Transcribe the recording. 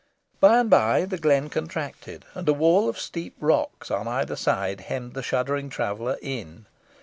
By and by, the glen contracted, and a wall of steep rocks on either side hemmed the shuddering traveller in.